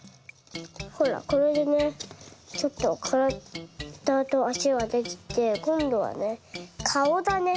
ほらこれでねちょっとからだとあしができてこんどはねかおだね。